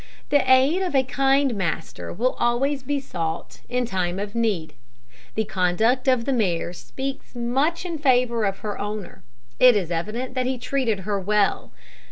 The aid of a kind master will always be sought in time of need. The conduct of the mare speaks much in favour of her owner. It is evident that he treated her well.